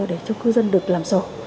để cho cư dân được làm sổ